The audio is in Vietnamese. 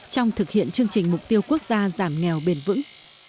trong thực hiện chương trình mục tiêu quốc gia giảm nghèo bền vững